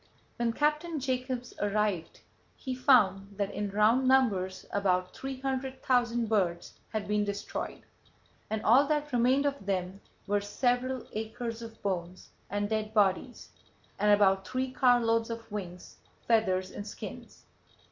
When Captain Jacobs arrived he found that in round numbers about three hundred thousand birds had been destroyed, and all that remained of them were several acres of bones and dead bodies, and about three carloads of wings, feathers and skins.